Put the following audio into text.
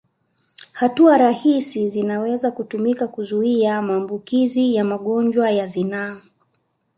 Hatua rahisi zinaweza kutumika kuzuia maambukizi ya magonjwa ya zinaa